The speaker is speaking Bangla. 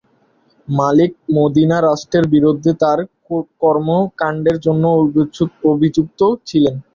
মালিক মদিনা রাষ্ট্রের বিরুদ্ধে তার কর্মকাণ্ডের জন্য অভিযুক্ত ছিলেন।